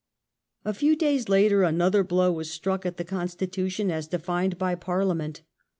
A few days later another blow was struck at the Con stitution as defined by Parliament.